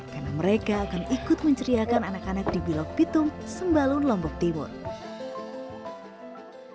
karena mereka akan ikut menceriakan anak anak di bilog pitung sembalun lombok timur